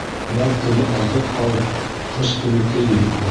Яҙ көнө аҙыҡ ал, ҡыш көнө кейем ал.